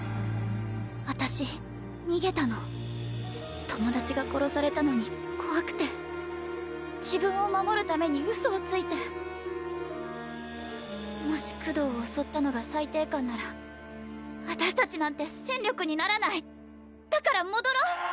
私逃げたの友達が殺されたのに怖くて自分を守るためにウソをついてもしクドーを襲ったのが裁定官なら私達なんて戦力にならないだから戻ろう！